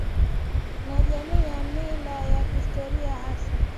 na jamii ya mila ya kihistoria Hasa